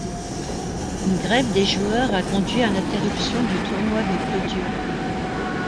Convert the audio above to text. Une grève des joueurs a conduit à l'interruption du tournoi de Clôture.